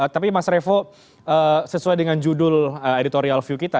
tapi mas revo sesuai dengan judul editorial view kita